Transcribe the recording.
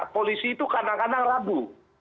polisi itu kadang kadang ragu